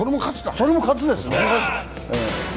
それも喝ですね！